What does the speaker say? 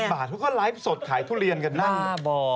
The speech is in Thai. ๑๐บาททุกคนไลฟ์สดขายทุเรียนกันนั่ง